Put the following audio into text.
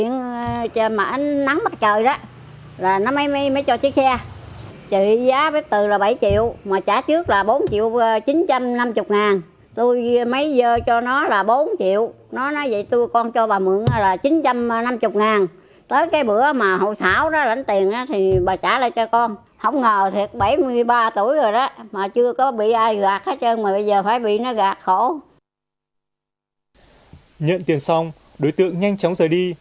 nhận tiền xong đối tượng nhanh chóng rời đi